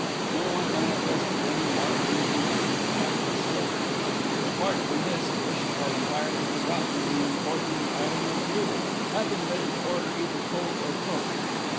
No one manifested any marked inclination to act as stoker. Apart from this, the bishop had entirely forgotten the important item of fuel, having omitted to order either coal or coke.